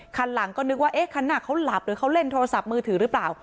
คันหลังก็นึกว่าเอ๊ะคันหน้าเขาหลับหรือเขาเล่นโทรศัพท์มือถือหรือเปล่า